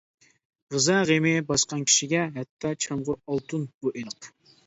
غىزا غېمى باسقان كىشىگە، ھەتتا چامغۇر ئالتۇن، بۇ ئېنىق.